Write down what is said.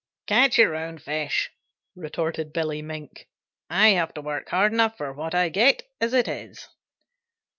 "Catch your own fish," retorted Billy Mink. "I have to work hard enough for what I get as it is."